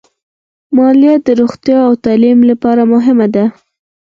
مالیه د روغتیا او تعلیم لپاره مهمه ده.